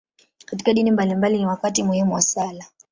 Katika dini mbalimbali, ni wakati muhimu wa sala.